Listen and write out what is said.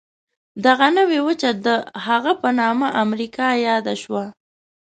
دغه نوې وچه د هغه په نامه امریکا یاده شوه.